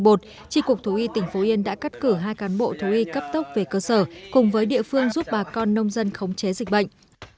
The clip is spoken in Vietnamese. bột tri cục thú y tỉnh phú yên đã cắt cử hai cán bộ thú y cấp tốc về cơ sở cùng với địa phương giúp bà con nông dân khống chế dịch bệnh